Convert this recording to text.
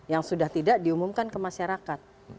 yang sudah tidak diumumkan ke masyarakat